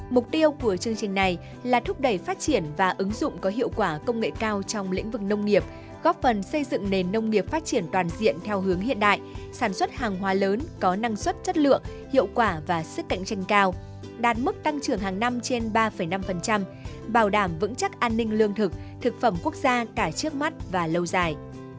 mục tiêu của chương trình này là thúc đẩy phát triển và ứng dụng có hiệu quả công nghệ cao trong lĩnh vực nông nghiệp góp phần xây dựng nền nông nghiệp phát triển toàn diện theo hướng hiện đại sản xuất hàng hóa lớn có năng suất chất lượng hiệu quả và sức cạnh tranh cao đạt mức tăng trưởng hàng năm trên ba năm bảo đảm vững chắc an ninh lương thực thực phẩm quốc gia cả trước mắt và lâu dài